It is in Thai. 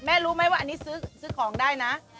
รู้ไหมว่าอันนี้ซื้อของได้นะ